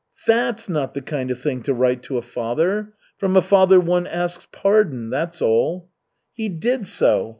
"That's not the kind of thing to write to a father. From a father one asks pardon, that's all." "He did so.